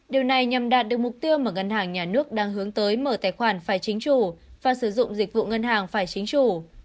điều này nhằm đạt được mục tiêu mà ngân hàng nhà nước đang hướng tới mở tài khoản phải chính chủ và sử dụng dịch vụ ngân hàng phải chính chủ